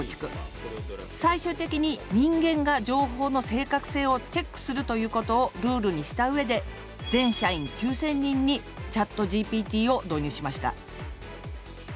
最終的に人間が情報の正確性をチェックするということをルールにしたうえで全社員９０００人にＣｈａｔＧＰＴを導入しました。